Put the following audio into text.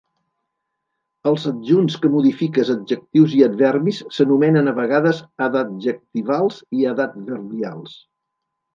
Els adjunts que modifiques adjectius i adverbis s'anomenen a vegades "adadjectivals" i "adadverbials".